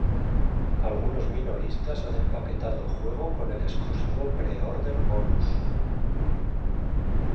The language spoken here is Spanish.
Algunos minoristas han empaquetado el juego con el exclusivo pre-order bonus.